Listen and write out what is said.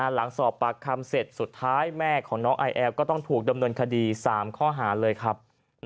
หลังสอบปากคำเสร็จสุดท้ายแม่ของน้องไอแอลก็ต้องถูกดำเนินคดี๓ข้อหาเลยครับ